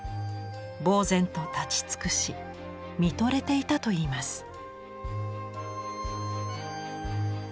ぼう然と立ちつくし見とれていたといいます。